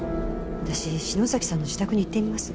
私篠崎さんの自宅に行ってみます。